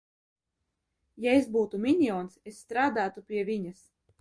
Ja es būtu minions, es strādātu pie viņas!